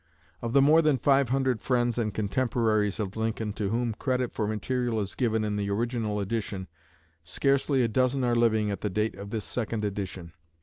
Of the more than five hundred friends and contemporaries of Lincoln to whom credit for material is given in the original edition, scarcely a dozen are living at the date of this second edition.